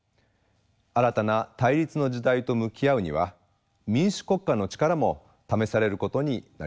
新たな対立の時代と向き合うには民主国家の力も試されることになりそうです。